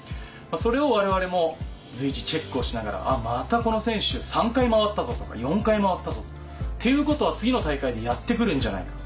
それを我々も随時チェックをしながらまたこの選手３回回ったぞとか４回回ったぞ。っていうことは次の大会でやって来るんじゃないか。